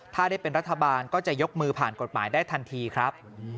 ถ้าได้เป็นรัฐบาลก็จะยกมือผ่านกฎหมายได้ทันทีครับ